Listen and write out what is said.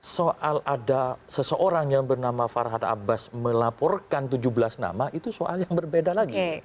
soal ada seseorang yang bernama farhana abbas melaporkan tujuh belas nama itu soal yang berbeda lagi